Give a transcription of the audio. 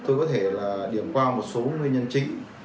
tôi có thể là điểm qua một số nguyên nhân chính